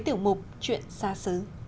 tiểu mục chuyện xa xứ